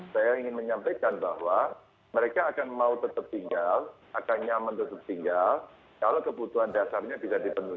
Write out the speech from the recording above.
saya ingin menyampaikan bahwa mereka akan mau tetap tinggal akan nyaman tetap tinggal kalau kebutuhan dasarnya bisa dipenuhi